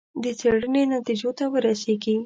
د څېړنې نتیجو ته ورسېږي.